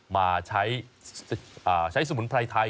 มีกลิ่นหอมกว่า